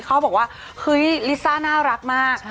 เขาบอกว่าเฮ้ยลิซ่าน่ารักมาก